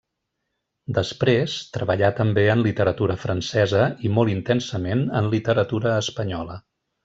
Després treballà també en literatura francesa i molt intensament en literatura espanyola.